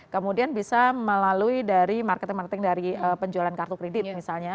kemudian bisa melalui dari marketing marketing dari penjualan kartu kredit misalnya